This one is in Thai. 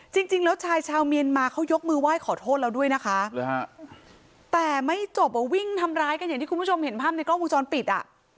จริงแล้วชายชาวเมียนมาเขายกมือไหว้ขอโทษเราด้วยนะคะแต่ไม่จบอ่ะวิ่งทำร้ายกันอย่างที่คุณผู้ชมเห็นภาพในกล้องวงจรปิดอ่ะ